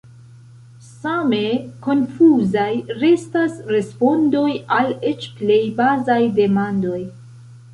Same konfuzaj restas respondoj al eĉ plej bazaj demandoj.